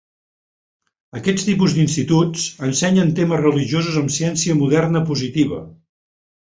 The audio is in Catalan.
Aquest tipus d'instituts ensenyen temes religiosos amb ciència moderna positiva.